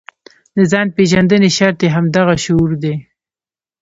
د ځان پېژندنې شرط یې همدغه شعور دی.